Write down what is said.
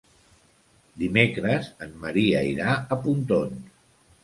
Dimecres en Maria irà a Pontons.